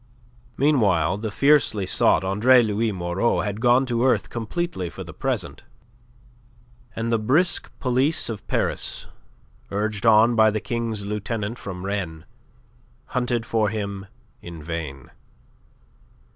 Meanwhile the fiercely sought Andre Louis Moreau had gone to earth completely for the present. And the brisk police of Paris, urged on by the King's Lieutenant from Rennes, hunted for him in vain.